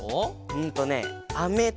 うんとねアメと。